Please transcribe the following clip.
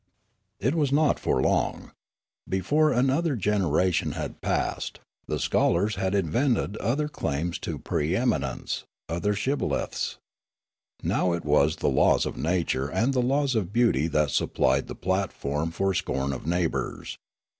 " It was not for long. Before another generation had passed, the scholars had invented other claims to pre eminence, other shibboleths. Now it was the laws of nature and the laws of beauty that supplied the plat form for scorn of neighbours.